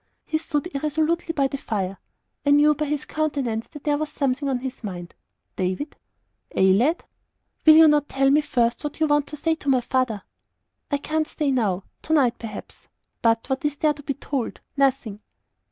He stood irresolutely by the fire. I knew by his countenance that there was something on his mind. "David." "Ay, lad." "Will you not tell me first what you want to say to my father?" "I can't stay now. To night, perhaps. But, pshaw! what is there to be told? 'Nothing.'"